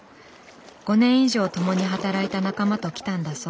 ５年以上共に働いた仲間と来たんだそう。